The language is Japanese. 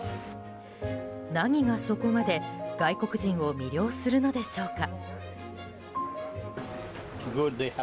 何が、そこまで外国人を魅了するのでしょうか。